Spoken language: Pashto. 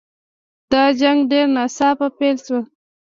دا جنګ ډېر ناڅاپه پیل شو.